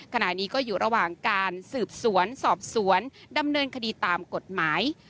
ขณะนี้ก็อยู่ระหว่างการสืบสวนสอบสวนดำเนินคดีตามกฎหมาย